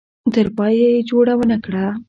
تر پایه یې جوړه ونه کړه.